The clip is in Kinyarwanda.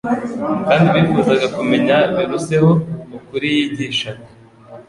kandi bifuzaga kumenya biruseho ukuri yigishaga.